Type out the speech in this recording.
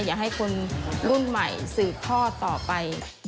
อย่าให้คนรุ่นใหม่สื่อข้อต่อไป